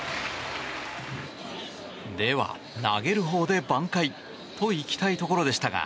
では、投げるほうで挽回！といきたいところでしたが